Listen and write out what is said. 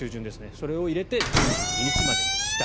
それを入れて２２日までにした。